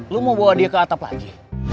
lo mau bawa dia ke atap lagi